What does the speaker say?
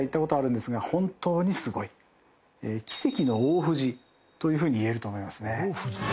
私は。というふうに言えると思いますね。